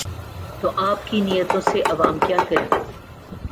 تو آپ کی نیتوں سے عوام کیا کریں؟